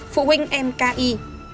phụ huynh em k y